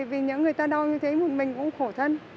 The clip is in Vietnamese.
vì những người ta đau như thế một mình cũng khổ thân